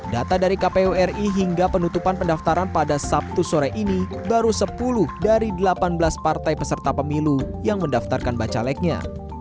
data dari kpu ri hingga penutupan pendaftaran pada sabtu sore ini baru sepuluh dari delapan belas partai peserta pemilu yang mendaftarkan bacaleknya